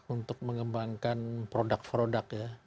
untuk mengembangkan produk produk